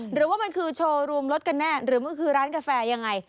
หรือว่ามันคือโชว์รูมรถกันแน่หรือมันคือร้านกาแฟยังไง